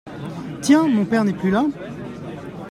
Tiens ! mon père n'est plus là ?